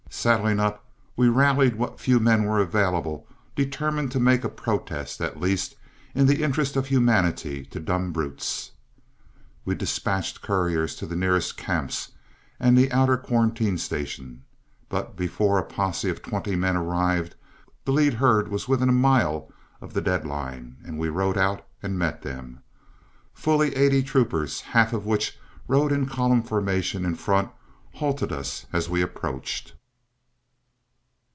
Saddling up, we rallied what few men were available, determined to make a protest, at least, in the interest of humanity to dumb brutes. We dispatched couriers to the nearest camps and the outer quarantine station; but before a posse of twenty men arrived, the lead herd was within a mile of the dead line, and we rode out and met them. Fully eighty troopers, half of which rode in column formation in front, halted us as we approached.